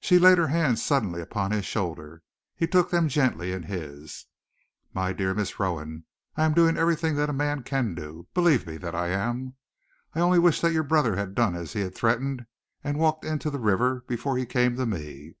She laid her hands suddenly upon his shoulders. He took them gently in his. "My dear Miss Rowan, I am doing everything that man can do. Believe me that I am. I only wish that your brother had done as he threatened, and walked into the river, before he came to me."